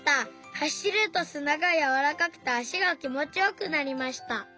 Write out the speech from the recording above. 走るとすながやわらかくて足がきもちよくなりました。